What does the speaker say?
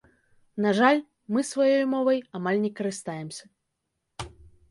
На жаль, мы сваёй мовай амаль не карыстаемся.